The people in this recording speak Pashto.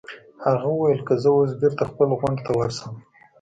هغه وویل: که زه اوس بېرته خپل غونډ ته ورشم.